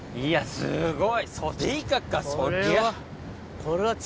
すごい。